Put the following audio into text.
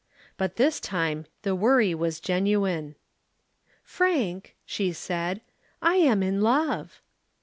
But this time the worry was genuine. "Frank," she said, "I am in love."